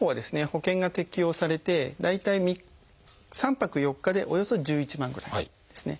保険が適用されて大体３泊４日でおよそ１１万ぐらいですね。